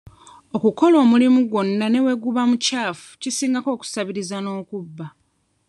Okukola omulimu gwonna ne bwe guba mukyafu kisingako okusabiriza n'okubba.